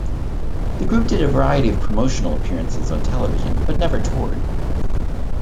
The group did a variety of promotional appearances on television, but never toured.